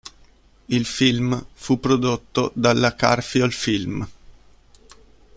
Il film fu prodotto dalla Karfiol-Film.